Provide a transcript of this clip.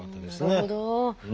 なるほど。